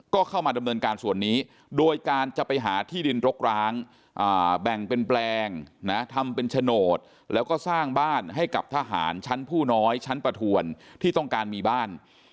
ก็เข้ามาดำเนินการส่วนนี้โดยการจะไปหาที่ดินรกร้างแบ่งเป็นแปลงนะทำเป็นโฉนดแล้วก็สร้างบ้านให้กับทหารชั้นผู้น้อยชั้นประถวนที่ต้องการมีบ้าน